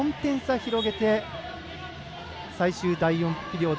広げて最終第４ピリオド。